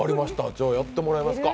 じゃあやってもらえますか。